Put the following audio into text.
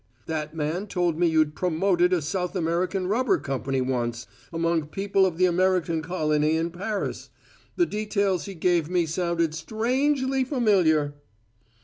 That man told me you'd `promoted' a South American rubber company once, among people of the American colony in Paris. The details he gave me sounded strangely familiar!"